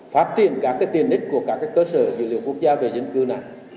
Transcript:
phát triển các tiền ích của các cơ sở dự liệu quốc gia về dân cư này